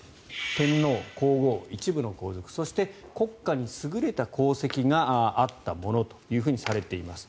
天皇・皇后、一部の皇族そして国家に優れた功績があった者とされています。